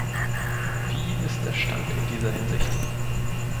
Wie ist der Stand in dieser Hinsicht?